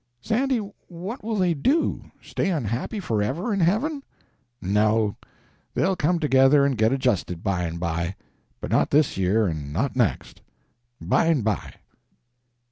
"Sandy, what will they do—stay unhappy forever in heaven?" "No, they'll come together and get adjusted by and by. But not this year, and not next. By and by."